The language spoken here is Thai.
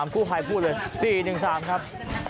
๕๔๑๓คู่ภัยคู่เลย๔๑๓ครับ